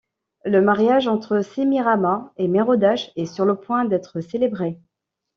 Le mariage entre Semirâma et Merôdach est sur le point d'être célébré.